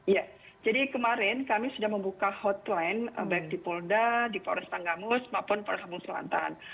ya jadi kemarin kami sudah membuka hotline baik di polda di polres tanggamus maupun polres lampung selatan